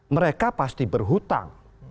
mereka pasti berhutang